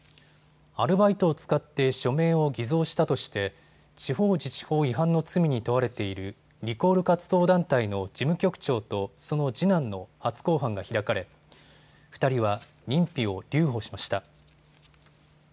アルバイトを使って署名を偽造したとして地方自治法違反の罪に問われているリコール活動団体の事務局長とその次男の初公判が開かれ２人は認否を留保しました。